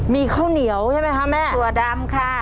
มีข้าวเหนียวใช่ไหมคะแม่ถั่วดำค่ะ